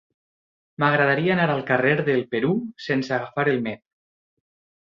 M'agradaria anar al carrer del Perú sense agafar el metro.